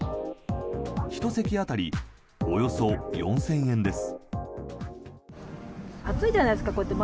１席当たりおよそ４０００円です。